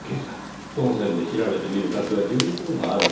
その線で調べてみる価値は十分あると思いますよ。